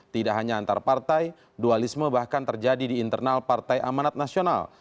tidak hanya antar partai dualisme bahkan terjadi di internal partai amanat nasional